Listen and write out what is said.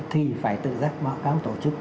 thì phải tự giác báo cáo tổ chức